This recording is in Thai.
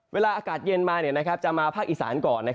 เวลาอากาศเย็นมาจะมาภาคอีสานก่อน